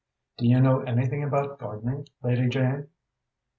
Do you know anything about gardening, Lady Jane?"